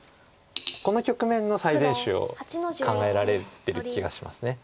この局面の最善手を考えられてる気がします。